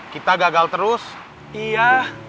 kita gagal terus iya